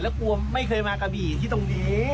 แล้วกลัวไม่เคยมากะบี่ที่ตรงนี้